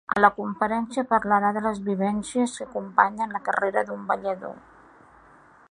A la conferència parlarà de les vivències que acompanyen la carrera d’un ballador.